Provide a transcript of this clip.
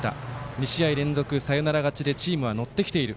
２試合連続サヨナラ勝ちでチームは乗ってきている。